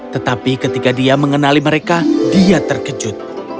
tetapi ketika dia mengenali mereka dia terkejut